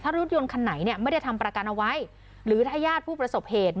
รถยนต์คันไหนไม่ได้ทำประกันเอาไว้หรือถ้าญาติผู้ประสบเหตุ